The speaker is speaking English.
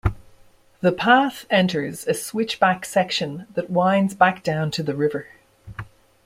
The path enters a switch back section that winds back down to the river.